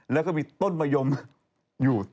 แล้วก็มีต้นมะยมอยู่